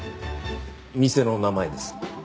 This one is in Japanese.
店の名前です。